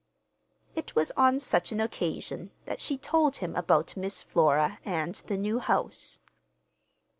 It was on such an occasion that she told him about Miss Flora and the new house.